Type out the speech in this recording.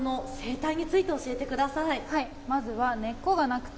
ムジナモの生態について教えてください。